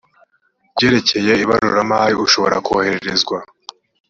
ku byerekeye ibaruramari ishobora kohererezwa